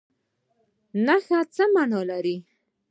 نښان څه مانا لري؟